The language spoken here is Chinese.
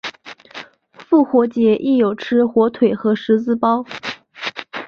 复活节亦有吃火腿和十字包。